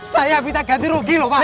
saya minta ganti rugi loh pak